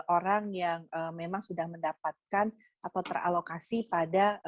orang yang memang sudah mendapatkan atau teralokasi pada